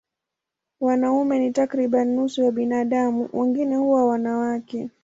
Wanaume ni takriban nusu ya binadamu, wengine huwa wanawake.